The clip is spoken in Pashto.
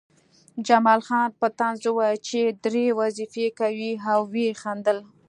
جمال خان په طنز وویل چې درې وظیفې کوې او ویې خندل